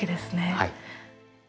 はい。